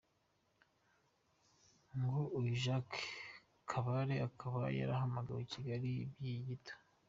Ngo uyu Jacques Kabale akaba yahamagajwe i Kigali by’igihe gito.